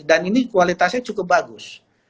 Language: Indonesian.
dan ini kualitasnya cukup bagus